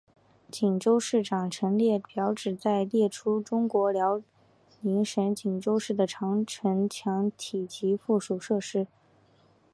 锦州市长城列表旨在列出中国辽宁省锦州市的长城墙体及附属设施。